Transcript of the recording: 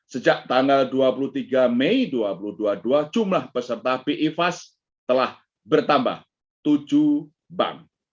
sejak tanggal dua puluh tiga mei dua ribu dua puluh dua jumlah peserta bi fast telah bertambah tujuh bank